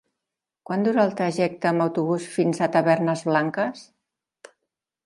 Quant dura el trajecte en autobús fins a Tavernes Blanques?